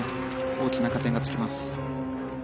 大きな加点がつきます。